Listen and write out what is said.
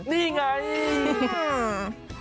นี่ไง